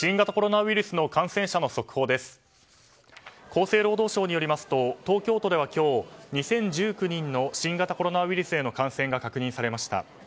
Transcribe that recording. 厚生労働省によりますと東京都では今日２０１９人の新型コロナウイルスへの感染が確認されました。